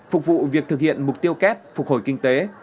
phục vụ việc thực hiện mục tiêu kép phục hồi kinh tế